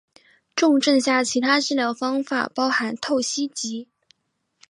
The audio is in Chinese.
重症下其他治疗方法包含透析及。